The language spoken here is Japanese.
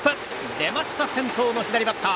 出ました、先頭の左バッター。